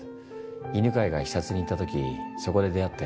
犬飼が視察に行ったときそこで出会って。